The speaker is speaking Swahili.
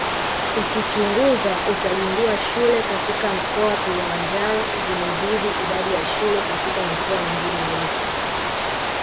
Ukichunguza utagundua shule katika mkoa Kilimanjaro zimezidi idadi ya shule katika mikoa mingine yote